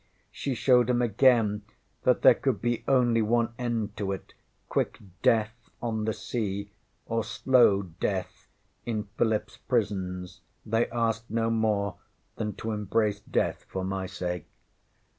She showed ŌĆśem again that there could be only one end to it quick death on the sea, or slow death in PhilipŌĆÖs prisons. They asked no more than to embrace death for my sake.